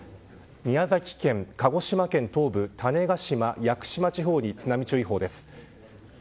宮崎県、鹿児島県、東部種子島屋久島地方に津波注意報です。